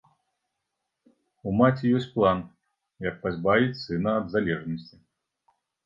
У маці ёсць план, як пазбавіць сына ад залежнасці.